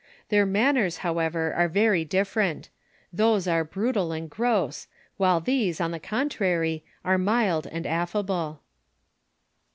Their manners, however, are very different : those are brutal and gross, while these, on the contrary, are mild and alFable.